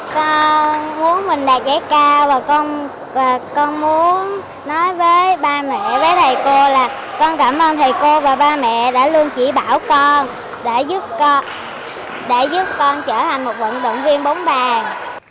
con muốn mình đạt giải cao rồi con và con muốn nói với ba mẹ với thầy cô là con cảm ơn thầy cô và ba mẹ đã luôn chỉ bảo con đã giúp để giúp con trở thành một vận động viên bóng bàn